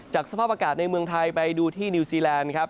สภาพอากาศในเมืองไทยไปดูที่นิวซีแลนด์ครับ